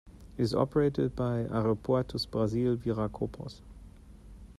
It is operated by Aeroportos Brasil Viracopos.